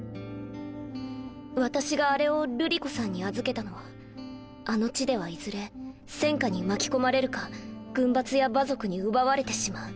私があれを瑠璃子さんに預けたのはあの地ではいずれ戦火に巻き込まれるか軍閥や馬賊に奪われてしまう。